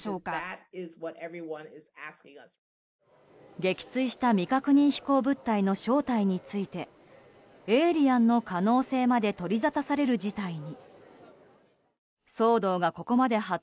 撃墜した未確認飛行物体の正体についてエイリアンの可能性まで取りざたされる事態に。